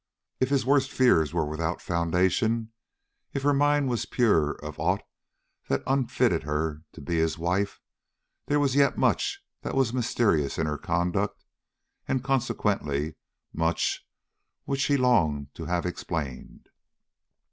If his worst fears were without foundation; if her mind was pure of aught that unfitted her to be his wife, there was yet much that was mysterious in her conduct, and, consequently, much which he longed to have explained.